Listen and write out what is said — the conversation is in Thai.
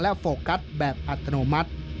โฟกัสแบบอัตโนมัติ